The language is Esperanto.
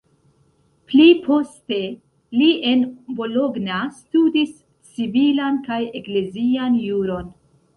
Pli poste li en Bologna studis civilan kaj eklezian juron.